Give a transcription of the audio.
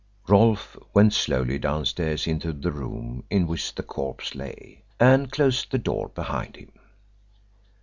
Rolfe went slowly downstairs into the room in which the corpse lay, and closed the door behind him.